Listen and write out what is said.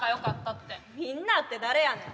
みんなって誰やねん。